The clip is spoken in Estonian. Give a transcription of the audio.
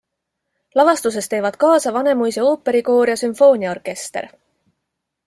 Lavastuses teevad kaasa Vanemuise ooperikoor ja sümfooniaorkester.